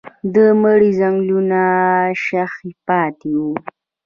د مړي ځنګنونه شخ پاتې وو.